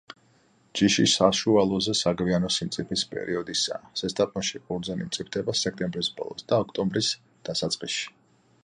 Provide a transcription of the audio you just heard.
ჯიში საშუალოზე საგვიანო სიმწიფის პერიოდისაა, ზესტაფონში ყურძენი მწიფდება სექტემბრის ბოლოს და ოქტომბრის დასაწყისში.